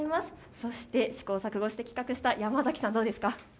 そして試行錯誤して企画した山崎さん、どうですか。